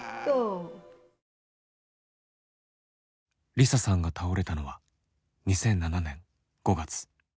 梨沙さんが倒れたのは２００７年５月。